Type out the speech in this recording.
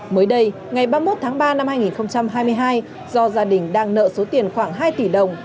mới đây ngày ba mươi một tháng ba năm hai nghìn hai mươi hai do gia đình đang nợ số tiền khoảng hai tỷ đồng